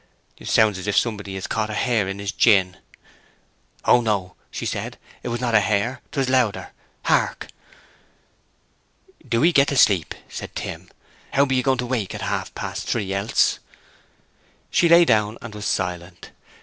"Sounds as if somebody had caught a hare in his gin." "Oh no," said she. "It was not a hare, 'twas louder. Hark!" "Do 'ee get to sleep," said Tim. "How be you going to wake at half past three else?" She lay down and was silent.